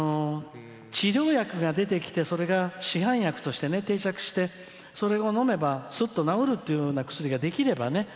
治療薬が出てきてそれが市販薬として定着してそれを飲めばすっと治るというような薬ができれば。